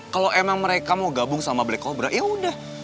kalau emang mereka mau gabung sama black kobra yaudah